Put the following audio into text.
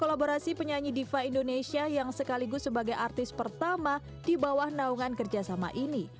kolaborasi penyanyi diva indonesia yang sekaligus sebagai artis pertama di bawah naungan kerjasama ini